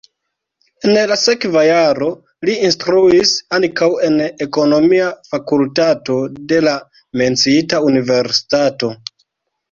En la sekva jaro li instruis ankaŭ en ekonomia fakultato de la menciita universitato.